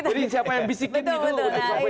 jadi siapa yang bisikin gitu